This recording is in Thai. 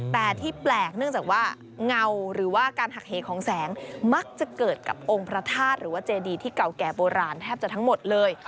แต่ที่แปลกเนื่องจากว่าเงาหรือว่าการหักเหของแสงมักจะเกิดกับองค์พระธาตุหรือว่าเจดีที่เก่าแก่โบราณแทบจะทั้งหมดเลย